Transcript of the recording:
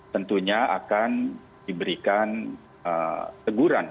tentunya akan diberikan teguran